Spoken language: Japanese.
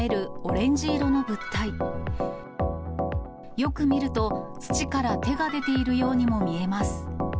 よく見ると、土から手が出ているようにも見えます。